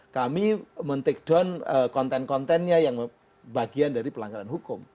kami men take down konten kontennya yang bagian dari pelanggaran hukum